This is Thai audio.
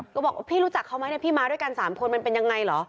ก็บอกพี่รู้จักเขาไหมเนี่ยพี่มาด้วยกัน๓คนมันเป็นยังไงเหรอ